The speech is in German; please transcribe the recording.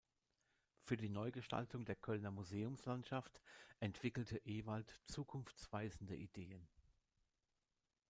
Für die Neugestaltung der Kölner Museumslandschaft entwickelte Ewald zukunftsweisende Ideen.